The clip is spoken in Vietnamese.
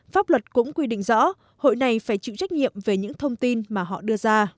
vẫn quy định rõ hội này phải chịu trách nhiệm về những thông tin mà họ đưa ra